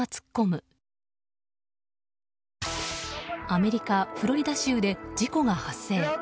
アメリカ・フロリダ州で事故が発生。